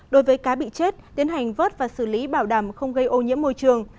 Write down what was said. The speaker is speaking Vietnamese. đối với cá bị chết tiến hành vớt và xử lý bảo đảm không gây ô nhiễm môi trường